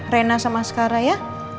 rena sama skara ya